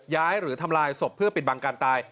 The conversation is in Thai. หรือทำลายศพเพื่อปิดบังการตาย